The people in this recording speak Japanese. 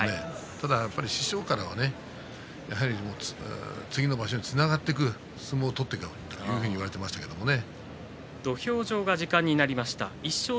ただ師匠からは次の場所につながっていく相撲を取っていかないといけないと言われていましたけれどもね。